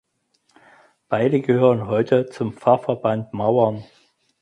Beide gehören heute zum Pfarrverband Mauern.